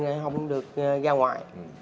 không được ra ngoài